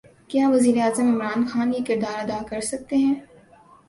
کیا وزیر اعظم عمران خان یہ کردار ادا کر سکتے ہیں؟